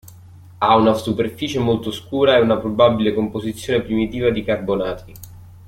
Ha una superficie molto scura e una probabile composizione primitiva di carbonati.